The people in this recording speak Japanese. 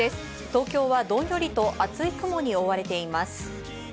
東京はどんよりと厚い雲に覆われています。